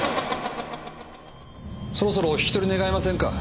そろそろお引き取り願えませんか。